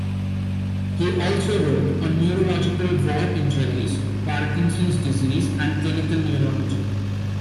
He also wrote on neurological war injuries, Parkinson's disease, and clinical neurology.